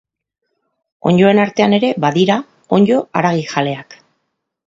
Onddoen artean ere badira onddo haragijaleak.